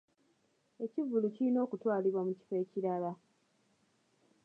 Ekivvulu kirina okutwalibwa mu kifo ekirala.